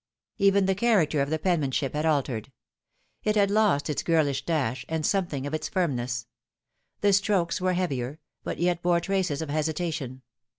Even the character of the penmanship had altered. It had lost its girlish dash, and something of its firmness. The strokes were heavier, but yet bore traces of hesitation.